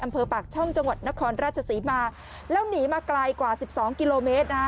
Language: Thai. อำเภอปากช่องจังหวัดนครราชศรีมาแล้วหนีมาไกลกว่าสิบสองกิโลเมตรนะฮะ